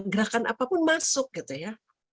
gerakan apapun masuk gitu ya